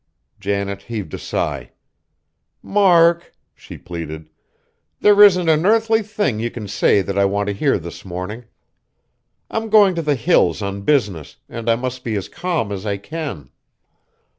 Janet heaved a sigh. "Mark," she pleaded, "there isn't an earthly thing you can say that I want to hear this morning. I'm going to the Hills on business, and I must be as calm as I can!"